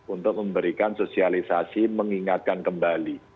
untuk memberikan sosialisasi mengingatkan kembali